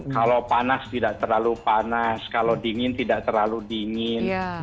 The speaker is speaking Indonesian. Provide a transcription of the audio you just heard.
kalau panas tidak terlalu panas kalau dingin tidak terlalu dingin